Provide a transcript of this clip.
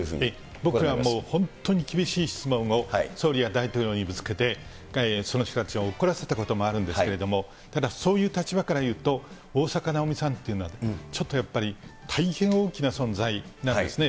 僕は本当に厳しい質問を総理や大統領にぶつけて、その人たちを怒らせたこともあるんですけど、ただ、そういう立場から言うと、大坂なおみさんというのは、ちょっとやっぱり大変大きな存在なんですね。